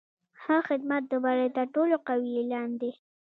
ښه خدمت د بری تر ټولو قوي اعلان دی.